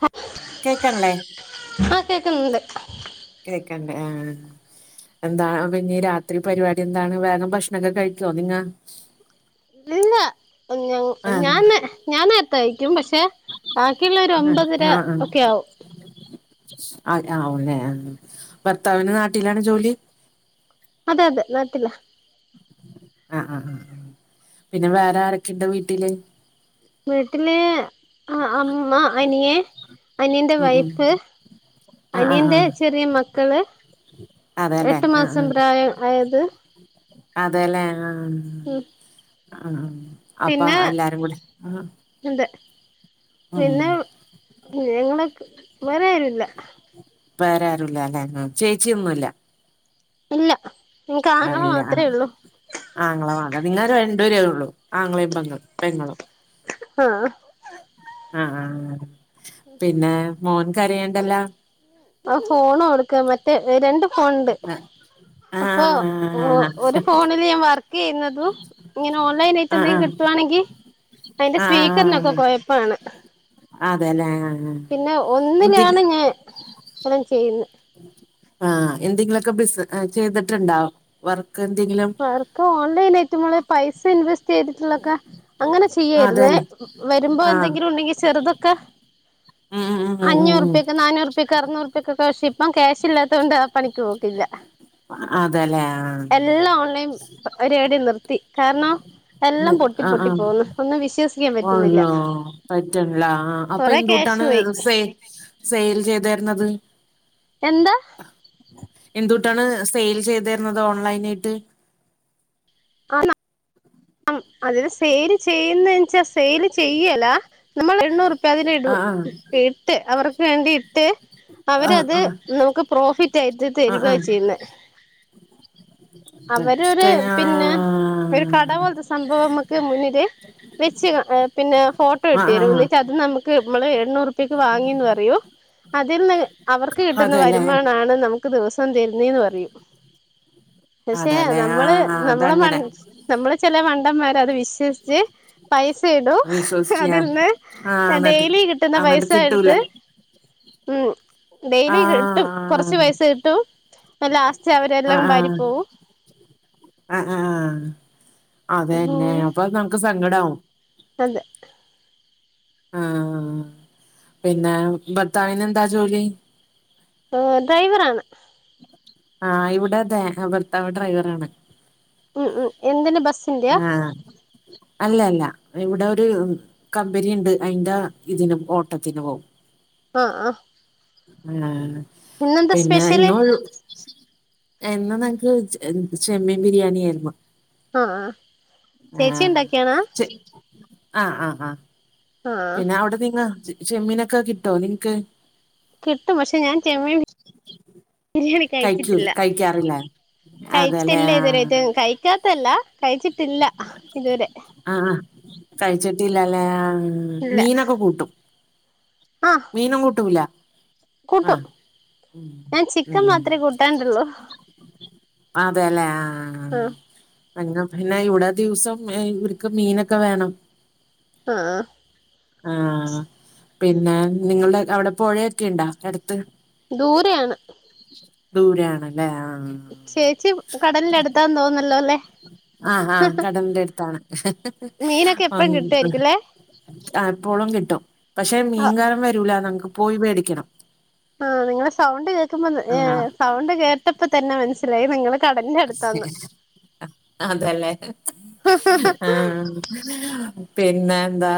ഹ കേക്കൺല്ലേ ആഹ് കേക്ക്ണ് ണ്ട് കേക്കണ്ട ആഹ് എന്താ ഇഞ് രാത്രി പരിപാടി എന്താണ് വേഗം ഭക്ഷണൊക്കെ കഴിക്കോ നിങ്ങ ഇല്ല ഞ ആഹ് ഞാൻ ഞാൻ നേരത്തെ കഴക്കും പക്ഷെ ബാക്കിയുള്ള ഒരു ഒമ്പതര ഒക്കെ ആവും ആ ആവും ല്ലേ ഭർത്താവിന് നാട്ടിലാണ് ജോലി അതെ അതെ നത്തില്ല ആ ആ ആ പിന്നെ വേറെ ആരൊക്കെ ഇണ്ട് വീട്ടില്? വീട്ടില് അ അമ്മ, അനിയൻ. അനിയന്റെ ഉം ഉം വൈഫ് ആഹ് ആഹ് അനിയന്റെ ആഹ് ചെറിയ മക്കള് എട്ട് മാസം പ്രായ മായത് അതെലേ ആഹ് ഉം ആഹ് അപ്പ എല്ലാരും കൂടി ആ ന്തെ പിന്നെ ഞങ്ങള്ക്ക് വേറെ ആരു ഇല്ല വേറെ ആരുല്ല ല്ലേ ചേച്ചിയൊന്നുല്ല. ഇല്ല എനിക്ക് ആങ്ങള ആഹ് ഇല്ല ആഹ് മാത്രേ ഉള്ളൂ ആങ്ങള മാത പിന്നെ ഒരു രണ്ട് പേര് ഉള്ളൂ ആങ്ങളേം പേ പേങ്ങളും ആഹ് ആഹ് ആഹ് പിന്നെ മോൻ കരയ്ണ്ടല്ലോ ആഹ് ഫോണ് കൊടുക്ക മറ്റേ എ രണ്ട് ഫോണ് ണ്ട് ആ അപ്പൊ ഒരു ഫോണില് ഞാൻ വർക്ക് ചെയ്യന്നതു ഇങ്ങനെ ഓൺലൈൻ ആയിട്ട് ആ എന്തെങ്കിലും ആ കിട്ടവാണെങ്കിൽ അതിന്റെ ആ സ്പീക്കറിനൊക്കെ കുഴപ്പാണ്. അതെല്ലേ ആ പിന്നെ എന്തെ ഒന്നിലാണ് ഞാൻ [unintelligible] ചെയ്യുന്ന ആഹ് എന്തെങ്കിലുമൊക്കെ ബിസ് ചെയ്തിട്ടുണ്ടോ വർക്ക് എന്തെങ്കിലും വേർക്ക് ഓൺലൈൻ [unintelligible] പൈസ ഇൻവെസ്റ്റ് ചെയ്തിട്ടുള്ളൊക്കെ അങ്ങനെ ആ ചെയ്യായിരുന്നേ അതെല്ലേ വരുമ്പോ ആ എന്തെങ്കിലും ഉണ്ടെങ്കിൽ ചെറുതൊക്കെ ഉം ഉം ഉം ഉം ഉം അഞ്ഞൂറ്പയ്ക്ക് നാനൂറുപക്ക് അറുന്നൂറുപക്കെ ഇപ്പ ക്യാശ് ഇല്ലാത്ത കൊണ്ട പണിക്ക് പോവത്തില്ല അതെല്ലേ എല്ലാം [unintelligible] നിർത്തി കാർണം ആ ആഹ വിശ്വസിക്കാൻ പറ്റുന്നില്ല [unintelligible] പറ്റില്ലാ അപ്പൊ കൊറെ ക്യാഷ് എന്തൂട്ടാണ് പോയി സെ സെയിൽ ചെയതേർന്നത് എന്ത് എന്തൂട്ടാണ് സെയിൽ ചെയ്തെർന്നത് ഓൺലൈന ആയിട്ട്? ആന്ന അ അല്ല സെല് ചെയ്യന്ന്ച്ചാ സെല് ചെയ്യല നമ്മൾ എണ്ണൂറ്പ്യ അതിന് ആ ഇടും ഇട്ട് അവർക്ക് വേണ്ടി ഇട്ട് ആ ആ അവരത് ആ നമുക്ക് പ്രോഫിറ്റ് ആയിട്ട് തെരുവ ആ ചെയ്യുന്ന അവരോര് പിന്നെ ഒരു കട പോല്ത്തെ [unintelligible] മുന്നിൽ വെച്ച് പിന്നെ ഫോട്ടോ ആ ആ എട്ത്തേരു ആ ന്നിട്ട് അത് നമക്ക് നമ്മള എണ്ണൂറ് [unintelligible] വാങ്ങിന്ന് പറയും അതിൽ ന്ന് അവർക്ക് കിട്ടുന്ന അതെല്ലേ വരുമാനണ് നമുക്ക് ദിവസം തിരുന്നീന്ന് പറയും പക്ഷെ അതെല്ലേ ആ നമ്മള് നമ്മള മൺ അതങ്ങനെ നമ്മള് ചെല മണ്ടന്മാരത് വിശ്വസിച്ച് പൈസ ഇടും വിശ്വസിച്ച് ഞാൻ അതിൽന്ന് ആ എന്നിട്ട് ഡെയിലി കിട്ടുന്ന എന്നിട്ട് പൈസ കിട്ടൂല എടുത്ത് [inaudible] മ്മ് ആ ഡെയിലി കിട്ടും കുറച്ച് പൈസ കിട്ടും ല്ലാസ്റ്റ് അവരെല്ലാം വാരി പോവും അഹ് ആഹ് ആഹ് അതന്നെ അങ്ങനെ അപ്പൊ നമുക്ക് സങ്കടവും അതെ ആ പിന്നെ ഭർത്താവിനെന്താ ജോലി? ഓ ഡ്രൈവർ ആണ് ആഹ് ഇവിടെ തെ ഭർത്താവ് ഡ്രൈവറണ് മ് മ് എന്തിന ബസ് ആഹ അല്ലല്ല ഇവിടൊരു കമ്പനിണ്ട് അയിന്റെ തിനും ഓട്ടത്തിനും പോവും അഹ് ആഹ് ആഹ് ഇന്നെന്താ പിന്നെ സ്പെഷ്യല് ഇന്നൊ എന്നാ ഞക്ക് ചെമ്മീൻ ബിരിയാണി ആയിരുന്നു ആഹ് ആഹ ചേച്ചി ഉണ്ടാക്കിയാണാ ആഹ്ചേ ആഹ് ആഹ് ആഹ് പിന്നെ അവിടെ നിങ്ങ ചെമ്മീനൊക്കെ കിട്ടോ നിങ് ക്ക്? കിട്ടും പക്ഷെ ഞാൻ ചെമ്മി ല്ലടി കഴിച്ചിട്ടില്ല കഴിക്കൂലെ കഴിക്കാറില്ലേ അതെല്ലേ കഴിച്ചിട്ടില്ല ഇതു വരായിട്ടും ആഹ് കഴി കഴിക്കാത്തല്ല കഴിച്ചിട്ടില്ല ഇതുവരെ ആ ആ കഴിച്ചിട്ടില്ലല്ലേ ആ ഇല്ല മീനൊക്കെ കൂട്ടും ആഹ് മീനും കൂട്ടൂല്ല കൂട്ടും ഞാൻ ചിക്കൻ മാത്രമേ കൂട്ടാണ്ടള്ളൂ അതെ ല്ലേ ആഹ് അങ്ങ പിന്നെ ഇവിടെ ദിവസം ഇക്ക് മീനൊക്കെ വേണം ആഹ് ആഹ് പിന്നെ നിങ്ങടെ അവിടെ പുഴയൊക്കെ ണ്ടൊ അടുത്ത്? ദൂരെയാണ് ദൂര ആണല്ലേ ആഹ് ചേച്ചി കടൽനടുത്ത തോന്നല്ലോ ല്ലേ ആഹ് ആഹ് കടൽ ന്റെ അടുത്താണ് മീനൊക്കെ ഉം എപ്പഴും കിട്ടുവായിരിക്കുംല്ലേ ആ എപ്പോളും കിട്ടും പക്ഷെ ആഹ് മീൻകാരൻ വരൂല നങ്ങക്ക് പോയി മേടിക്കണം ആ നിങ്ങള്ൾ സൗണ്ട് കേൾക്കുമ്പോ ആഹ് സൗണ്ട് കേട്ടപ്പോ തന്നെ മനസ്സിലായി നിങ്ങൾ അതല്ലേ ആഹ് പിന്നെ ന്താ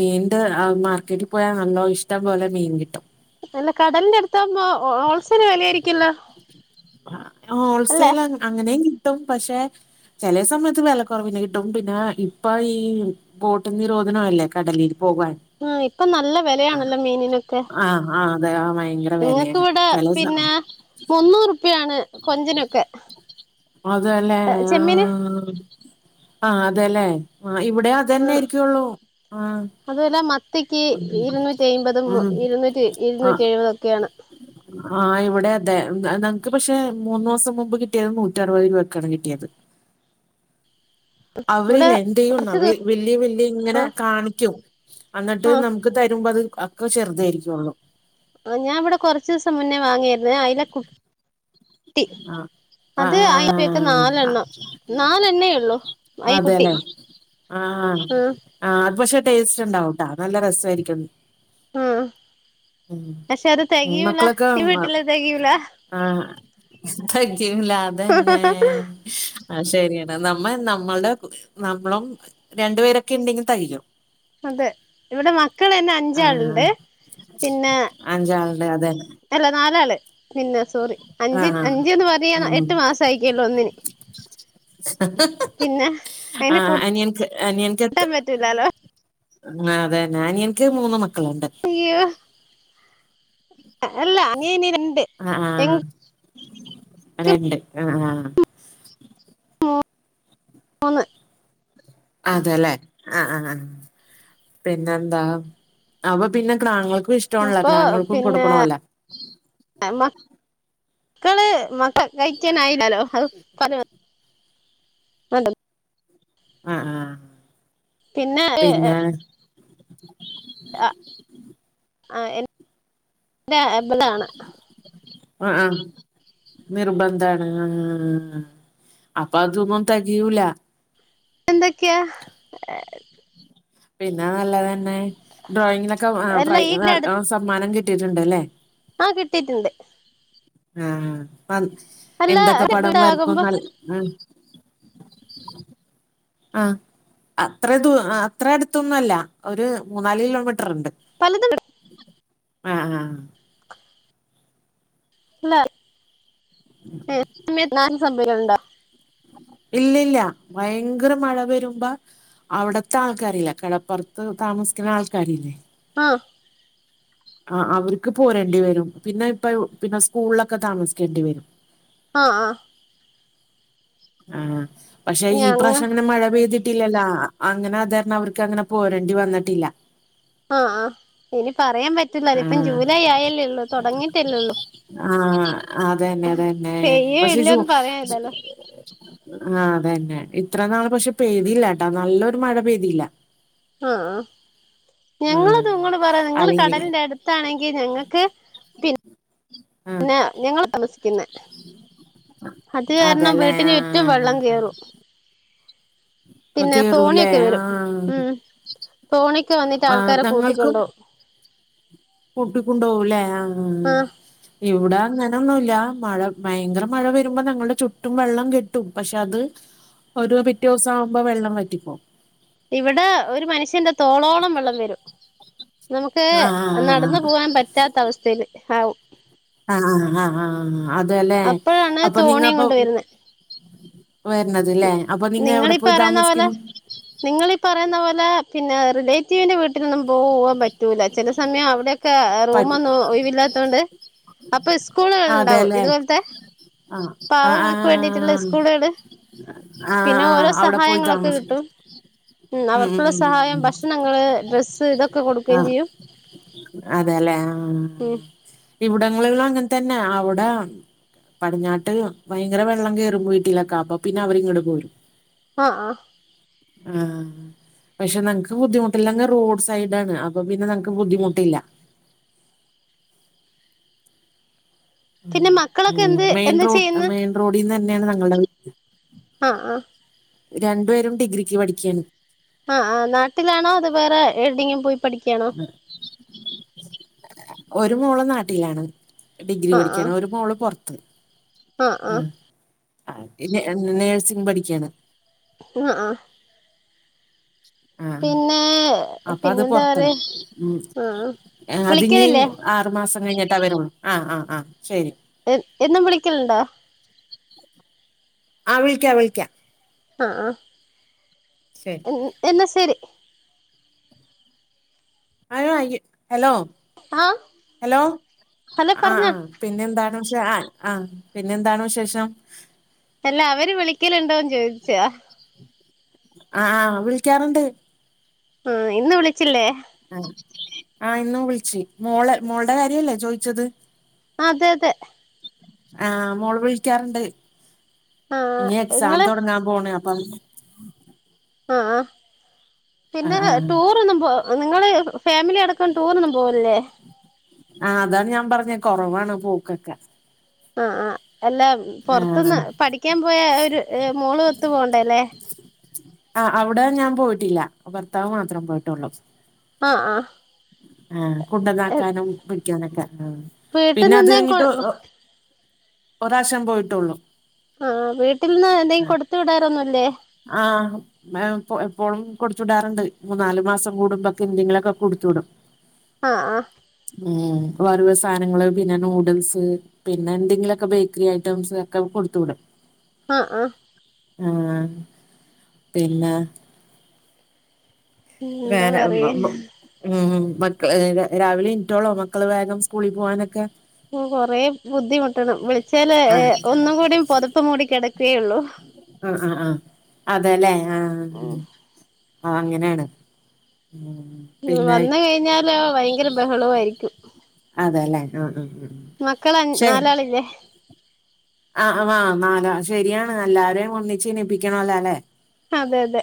മീന്റെ മാർക്കറ്റിൽ പോയാ നല്ലോ ഇഷ് ഷ്ട്ടം പോലെ മീൻ കിട്ടും അല്ല കടൽന്റെ അടുത്താവുമ്പോ ഹോൾസെൽ വില ആയിരിക്കല്ലോ ഹോൾസെൽ അങ്ങനെയും കിട്ടും പക്ഷെ ചില സമയത്ത് വില കുറവിനെ കിട്ടും പിന്നെ ഇപ്പൊ ഈ ബോട്ട് നിരോധനം അല്ലേ കടലിൽ പോകാൻ ആ ഇപ്പൊ നല്ല വിലയാണല്ലോ മീനിനൊക്കെ ആഹ് ആഹ് അതെ ആ ഭയങ്കര നിങ്ങക്ക് വിലയാണ് വിടെ ചില സ- പിന്നെ മുന്നൂറുപ്യ ആണ് കൊഞ്ചിനൊക്കെ അതല്ലെ ചെമ്മീന് ആഹ് ആ അതെല്ലെ ആ ഇവിടെ അ തന്നൊയിയിരിക്കുവള്ളൂ ആ അതുമല്ല മത്തിക്ക് ഇരുന്നൂറ്റിഅമ്പത് ഉം ഇരുന്നൂറ്റി ആഹ് ഇരുന്നൂറ്റി എഴുപതൊക്കെയാണ് ആഹ് ഇവിടെ അതെ നങ്ങക്ക് പക്ഷെ മൂന്ന് മാസം മുമ്പ് കിട്ടിയത് നൂറ്ററുപത് രൂപക്കാണ് കിട്ടിയത് ഇവിടെ അവരില് എന്ത്യ്യുന്നോ കുറച്ച് ദിവ വല്യ വല്യ ഇങ്ങനെ ആഹ് കാണിക്കും അന്നട്ട് ആഹ് നമുക്ക് തരുമ്പോ അത് അക്ക ചെറുതായിരിക്കുള്ളു ആഹ് ഞാൻ ഇവിടെ കൊർചൂസം മുന്നേ വാങ്ങിയായിര്ന്നേ ഞ അയ്ല കു ആഹ് അയിലക്ക് ആഹ് ആഹ് നാലെണ്ണം നാലെണ്ണേ ഉള്ളൂ അയി കുട്ടി അതേന്നെ ആഹ് ആ അത് പക്ഷെ ടേസ്റ്റ് ഉണ്ടാവുട്ടാ നല്ല രസായിരിക്കും ആഹ് ഉം പക്ഷെ അത് തെകയൂല മക്കളൊക്കെ ഈ മ വീട്ടില് തെകയൂല [unintelligible] അതെന്നെ. അത് ശരിയാണ് നമ്മ നമ്മളുടെ നമ്മളും രണ്ടുപേരൊക്കെ ഇണ്ടെങ്കി തയും അതെ ഇവിടെ മക്കൾ തന്നെ അഞ്ചാളുണ്ട് ആഹ് പിന്നെ അഞ്ചാളുടെ അതന്നെ അല്ല നാലാള് പിന്നെ സോറി അഞ്ച് ആഹ് അഞ്ച്ന്ന് പറയ ഉം എട്ട് മാസം ആയിക്കേള്ളൂ ഒന്നിന് പിന്നെ അയിനെ കൂ ആഹ് അനിയൻക്ക് അനിയൻക്ക് എത്ത ആഹ് അതന്നെ അനിയൻക്ക് മൂന്ന് മക്കളുണ്ട് [unintelligible] അല്ലാ അനിയന് രണ്ട് ആഹ് ആഹ് എനിക്ക് രണ്ട് ആഹ് ആഹ് മൂ മൂന്ന് അതെല്ലെ ആഹ് ആഹ് ആഹ് പിന്നെ എന്താ അപ്പൊ പിന്നെ ക്ടാങ്ങുകൾക്കും ഇഷ്ടണല്ലോ അപ്പൊ ക്ടാങ്ങുക്കൾക്കും പിന്നെ കൊടുക്കണോല്ല [unintelligible] മക്കള് മക്ക കയിക്കാനായില്ലല്ലോ അത് പ ആഹ് ആഹ് പിന്നെ ആ ആ എൻ ന്റെ എബലാണ് ആഹ് ആഹ് നിർബന്ധാണ് ആഹ് അപ്പൊ അതൊന്നും തികയൂലാ എന്തൊക്കെയാ പിന്നെ നല്ലതന്നെ ഡ്രോയിങ്ങിനൊക്കെ ആഹ് അല്ല പ്രൈ ഈ സമ്മാനം കിട്ടിയിട്ടുണ്ട് അല്ലേ ആഹ് കിട്ടിട്ടുണ്ട് ആഹ് അല്ല എന്തൊക്കെ പടം വീടാകുമ്പോ വരക്കും ആള് [inaudible] ആഹ് അത്ര ദൂ അത്ര അടുത്തൊന്നും അല്ല ഒരു മൂന്നാല് കിലോമീറ്റർ ഉണ്ട് പലതും ആഹ് ആഹ്. [inaudible] [unintelligible] ഇല്ലില്ല ഭയങ്കര മഴ വരുമ്പ അവിടത്തെ ആൾക്കാരില്ലേ കടപ്പുറത്ത് താമസിക്കണ ആൾക്കാരില്ലേ ആഹ് ആഹ് അവർക്ക് പോരേണ്ടി വരും പിന്നെ ഇപ്പ പിന്നെ സ്കൂളിലൊക്കെ താമസിക്കേണ്ടി വരും ആഹ് ആഹ്. ആഹ് പക്ഷെ ഈ ഞങ്ങ പ്രാവശ്യം അങ്ങനെ മഴ പെയ്തിട്ടില്ലല്ലോ അങ്ങനെ അതാരണം അവർക്ക് അങ്ങനെ പോരേണ്ടി വന്നിട്ടില്ല ആഹ് ആഹ് ഇനി പറയാൻ പറ്റില്ല ആ ഇതിപ്പം ജൂലൈ ആയല്ലേള്ളു തുടങ്ങിട്ടല്ലേള്ളൂ ആഹ് അതന്നെ അതന്നെ പെയ്യോ പക്ഷേ ജൂ ഇല്ലോന്ന് പറയാനില്ലല്ലോ ആഹ് അതന്നെ ഇത്ര നാള് പക്ഷെ പെയ്തില്ല ട്ടാ നല്ലൊരു മഴ പെയ്തില്ല ആഹ് ആ ഞങ്ങളത് നിങ്ങൾ പറയാ നിങ്ങള് അല്ലെങ്കിൽ കടലിന്റെ അടു ത്താണെങ്കിൽ ഞങ്ങക്ക് പി ആ പിന്നെ ഞങ്ങൾ താമസിക്കുന്നെ അത് കാരണം അതല്ലേ വീട്ടന് ആ ചുറ്റും വെള്ളം കേറും ആ പിന്നെ കേറൂല്ലേ തോണിയൊക്കെ വരും ആ ഉം. തോണിക്ക് വന്നിട്ട് ആ ആൾക്കാരെ കൂട്ടിക്കൊണ്ടോവും. കൂട്ടി കൊണ്ടോവും ലേ ആഹ് ആ ഇവിടെ അങ്ങനെ ഒന്നുല്ല മഴ ഭയങ്കര മഴ വരുമ്പോ ഞങ്ങളുടെ ചുറ്റും വെള്ളം കെട്ടും പക്ഷെ അത് ഒരു പിറ്റേ ദിവസം ആവുമ്പോ വെള്ളം വറ്റിപോകും. ഇവിടെ ഒരു മനുഷ്യന്റെ തോളോളം വെള്ളം വരും നമുക്ക് നടന്ന് ആഹ് പോവാൻ പറ്റാത്ത അവസ്ഥയില് ആവും. ആഹ് ആ ആ ആ അതല്ലെ അപ്പോഴാണ് അപ്പൊ തോണിയും നിങ്ങപ്പൊ കൊണ്ട് വരുന്നെ വരണത് ലെ അപ്പൊ നിങ്ങ എവിടെ പോയി താമസിക്കും. നിങ്ങളീഈ പറയുന്ന പോലെ പിന്നെ റിലേറ്റീവിന്റെ വീട്ടിലൊന്നും പോവാൻ പറ്റൂല ചില സമയം അവിടെ ഒക്കെ പറ്റും റൂമൊന്നും ഒഴിവില്ലാത്തോണ്ട് അപ്പൊ സ്കൂളുകൾ ഉണ്ടാവും ഇതുപോലത്തെ ആഹ ആ പാവങ്ങൾക്ക് വേണ്ടിയിട്ടുള്ള ആഹ സ്കൂളുകള് ആഹ് പിന്നെ ഓരോ ആഹ് അവിടെ പോയി താമസി ഉ അവർക്കുള്ള സഹായം ഭക്ഷണങ്ങള് ഡ്രസ്സ് ഇതൊക്കെ കൊടുക്കുകയും ആഹ് ചെയ്യും അതെല്ലേ ആഹ് ഉം ഇവിടങ്ങളിലും അങ്ങനെ തന്നെ അവിടെ പടിഞ്ഞാട്ട് ഭയങ്കര വെള്ളം കേയറും വീട്ടിലൊക്കെ അപ്പൊ പിന്നെ അവരിങ്ങട് പോരും. ആഹ് ആ ആഹ് പക്ഷെ നങ്ങക്ക് ബുദ്ധിമുട്ടില്ല നങ്ങ റോഡ് സൈഡാണ് അപ്പൊ പിന്നെ നമക്ക് ബുദ്ധിമുട്ടില്ല. ഉ പിന്നെ ഉ മക്കളൊക്കെ എന്ത് മെയിൻ എന്താ റോഡ് ചെയ്യുന്നെ മെയിൻ റോഡിൽന്ന് തന്നെയാണ് ഞങ്ങളുടെ വീ ആഹ് ആഹ് രണ്ടു പേരും ഡിഗ്രിക്ക് പഠിക്കുകയാണ് ആ ആ നാട്ടിലാണോ അതൊ വേറെ എവിടെങ്കിലും പോയി പഠിക്കുകയാണോ? ഒരു മോൾ നാട്ടിലാണ്. ഡിഗ്രി ആഹ് പഠിക്കാണ് ആഹ് ഒരു മോള് പൊറത്ത് ആഹ് ആഹ് ആ നേഴ്സിങ് പഠിക്കയാണ് ആഹ് ആ ആഹ പിന്നെ അപ്പൊ അത് പിന്നെന്താ പൊറത്താണ് പറയാ ആഹ് അത് ഇഞ് വിളിക്കലില്ലേ ആറു മാസം കഴിഞ്ഞിട്ട് വരോള്ളു ആ ആഹ് ആഹ് ശരി. എന്നും വിളിക്കല്ണ്ടോ? ആ വിളിക്കാം വിളിക്കാം ആഹ് ആ ശരി എന്നാ ശരി ഹലോ ആഹ് ഹലോ ഹലോ ആഹ് പറഞ്ഞോ ആഹ് പിന്നെ എന്താണ് ആ ആ പിന്നെ എന്താണ് വിശേഷം അല്ല അവര് വിളിക്കലുണ്ടോന്ന് ചോദിച്ചാ ആ ആ് വിളിക്കാറുണ്ട്. ഉം ഇന്ന് വിളിച്ചില്ലേ ആ ആ ഇന്നും വിളിച്ച് മോൾ മോളുടെ കാര്യല്ലേ ചോദിച്ചത് അതെ അതെ ആഹ് മോള് വിളിക്കാറുണ്ട് ആ ഇനി എക്സാം ഇങ്ങള് തുടങ്ങാൻ പോണ് അപ്പ് ആഹ് ആഹ് പിന്നെ ആഹ് ആഹ് ടൂറൊന്നും പോ നിങ്ങള് ഫാമിലി അടക്കം ടൂറൊന്നും പോവേല്ലേ? ആഹ അതാണ് ഞാൻ പറഞ്ഞത് കുറവാണ് പോക്കൊക്കെ. ആ ആ അല്ല ആഹ് പുറത്തുന്ന് പഠിക്കാൻ പോയ ഒരു മോള് ഒത്തു പോകണ്ടെ ല്ലേ ആ അവിടെ ഞാൻ പോയിട്ടില്ല ഭർത്താവ് മാത്രം പോയിട്ടുള്ളൂ. ആഹ് ആഹ് ആഹ കുണ്ടന്നാക്കാനും പിടിക്കാനൊക്കെ ആ പിന്നെ വീട്ടിന്ന് അത് എന്തേ കൊ കഴിഞ്ഞിട്ട് ഒരു പ്രാവശ്യം പോയിട്ടുള്ളൂ ആഹ് വീട്ടിൽന്ന് എന്തെങ്കിലും കൊടുത്ത് വിടാറൊന്നുംല്ലേ ആഹ് മ്മ ഞാ പോ എപ്പോഴും കൊടുത്തു വിടാറുണ്ട് മൂന്നാല് മാസം കൂടുമ്പോക്കെ എന്തെങ്കിലുക്കെ കൊടുത്തു വിടും ആഹ് ആഹ് ഏഹ് വറ് വ് സാനങ്ങള് പിന്നെ നൂഡിൽസ് പിന്നെ എന്തെങ്കിലുക്കെ ബേക്കറി ഐറ്റംസ് ഒക്കെ കൊടുത്തു വിടും ആഹ് ആഹ് ആഹ് പിന്നെ, എന്താ വേനെ [unintelligible] പറയാ ഉം മക്കള് രാവിലെ ഇൻട്ടോളോ മക്കള് വേഗം സ്കൂളിൽ പോവാനൊക്കെ കൊറെേ ബുദ്ധിമുട്ടണം. വിളിച്ചാല് എ ആഹ് ഒന്നും കൂടിയും പൊതപ്പ്‌ മൂടി കിടക്കയേയുള്ളൂ. ആഹ് ആഹ് ആഹ് അതേല്ലേ ആഹ് ആഹ് അങ്ങനാണ് മ്മ് വന്ന കഴിഞ്ഞാലോ ഭയങ്കര ബഹളവു ആരിക്കും. അതെല്ലേ ഉം ഉം ഉം മക്കള ആ നാലാളില്ലെ ആഹ് അ വാ നാലാ ശരിയാണ് എല്ലാരെയും ഒന്നിച്ച് ണിപ്പിക്കണലല്ലെ അതെ അതെ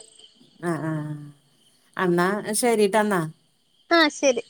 അഹ്‌ ആഹ് അന്നാ ശരിട്ട്ന്നാ. ആഹ് ശരി